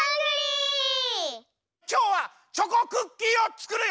きょうはチョコクッキーをつくるよ。